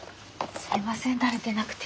すいません慣れてなくて。